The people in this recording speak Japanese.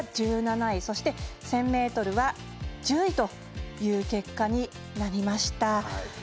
そして、１０００ｍは１０位という結果になりました。